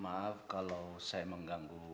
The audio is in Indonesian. maaf kalau saya mengganggu